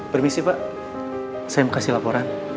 permisi pak saya mau kasih laporan